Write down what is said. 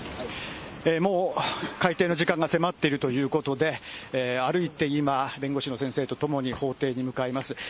もう、開廷の時間が迫っているということで、歩いて今、弁護士の先生と共に法廷に向かいます。